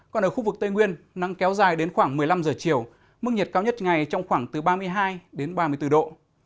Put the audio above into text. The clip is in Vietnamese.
còn ở khu vực tây nguyên nắng kéo dài đến khoảng một mươi năm giờ chiều mức nhiệt cao nhất ngày trong khoảng từ ba mươi hai đến ba mươi bốn độ